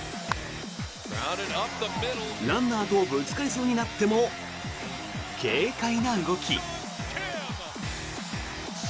ランナーとぶつかりそうになっても軽快な動き。